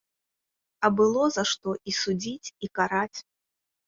А было за што і судзіць, і караць.